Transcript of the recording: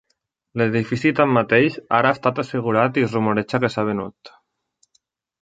L'edifici, tanmateix, ara ha estat assegurat i es rumoreja que s'ha venut.